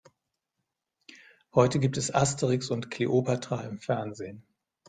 Heute gibt es Asterix und Kleopatra im Fernsehen.